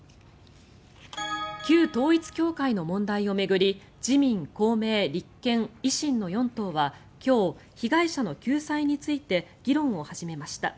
旧統一教会の問題を巡り自民、公明、立憲、維新の４党は今日、被害者の救済について議論を始めました。